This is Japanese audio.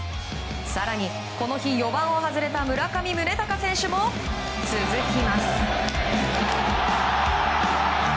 更にこの日４番を外れた村上宗隆選手も続きます。